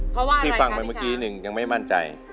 เพราะว่าอะไรครับที่ฟังเหมือนกัน๑ค่ะยังไม่มั่นใจ